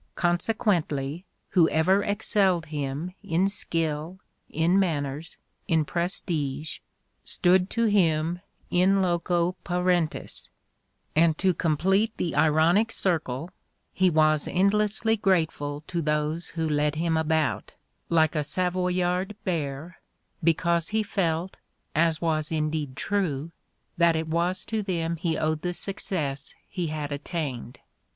Consequently, whoever excelled him in skill, in manners, in prestige, stood to him in loco parentis ; and. 102 The Ordeal of Mark Twain to complete the ironic circle, he was endlessly grateful to those who led him about, like a Savoyard bear, be cause he felt, as was indeed true, that it was to them he owed the success he had attained.